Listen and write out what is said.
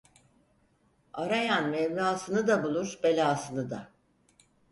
Arayan Mevlasını da bulur, belasını da.